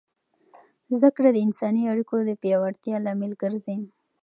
زده کړه د انساني اړیکو د پیاوړتیا لامل ګرځي.